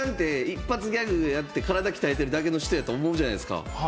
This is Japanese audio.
だって八木さんって一発ギャグやって体鍛えてるだけの人やと思うじゃないですか。